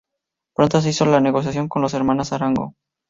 Pronto se hizo la negociación con las hermanas Arango.